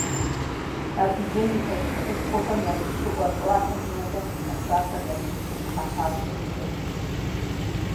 Адыгейм и пащтыхьышхуэхэм ящыщу ӏуэрыӏуатэм нобэм къихьэсахэм ящыщщ Хьэпащӏэ и цӏэри.